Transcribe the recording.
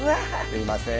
すいません。